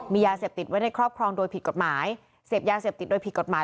มียาเสพติดไว้ในครอบครองโดยผิดกฎหมายเสพยาเสพติดโดยผิดกฎหมาย